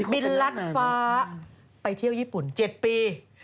ลัดฟ้าไปเที่ยวญี่ปุ่น๗ปี